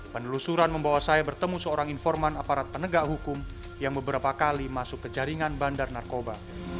di kota besar itu bertemu seorang informan aparat penegak hukum yang beberapa kali masuk ke jaringan bandar narkoba